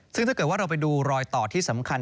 ซึ่งถ้าเกิดว่าเราไปดูรอยต่อที่สำคัญ